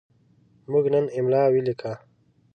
موږ نن املا ولیکه.